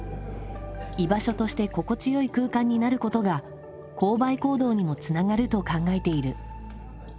居場所として心地良い空間になることが購買行動にもつながると考えている。